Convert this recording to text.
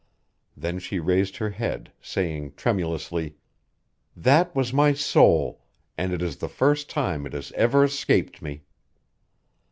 Then she raised her head, saying tremulously: "That was my soul, and it is the first time it has ever escaped me."